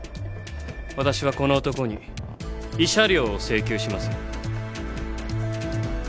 私はこの男に慰謝料を請求しますよ。